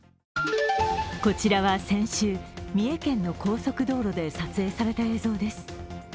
こちらは、先週、三重県の高速道路で撮影された映像です。